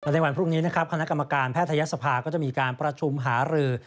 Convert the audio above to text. ในวันพรุ่งนี้นะครับคณะกรรมการแพทยศภาก็จะมีการประชุมหารือ